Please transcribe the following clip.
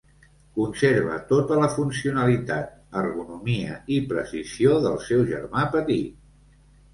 Conserva tota la funcionalitat, ergonomia i precisió del seu germà petit.